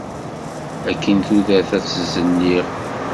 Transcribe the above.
Akkin tudert ad tt-zelliɣ.